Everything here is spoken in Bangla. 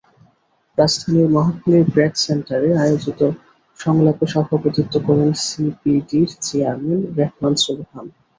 রাজধানীর মহাখালীর ব্র্যাক সেন্টারে আয়োজিত সংলাপে সভাপতিত্ব করেন সিপিডির চেয়ারম্যান রেহমান সোবহান।